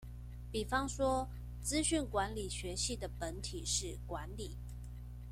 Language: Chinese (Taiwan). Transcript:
比方說「資訊管理學系」的本體是管理